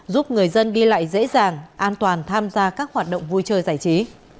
giúp người dân đi lại dễ dàng an toàn tham gia các hoạt động vui chơi giải trí